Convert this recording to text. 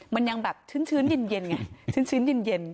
มันยังแบบชื้นชื้นเย็น